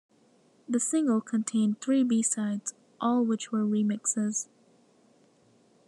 The single contained three b-sides, all which were remixes.